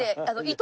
糸。